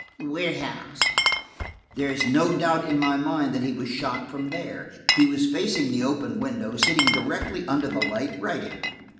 "The warehouse!" "There is no doubt in my mind that he was shot from there. He was facing the open window, sitting directly under the light, writing.